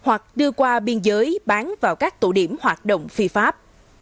hoặc đưa qua biên giới bán vào các tổ điểm hoạt động phi pháp